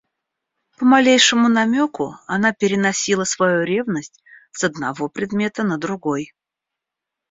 По малейшему намеку она переносила свою ревность с одного предмета на другой.